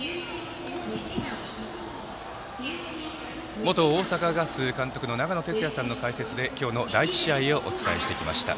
元大阪ガス監督の長野哲也さんの解説で今日の第１試合をお伝えしてきました。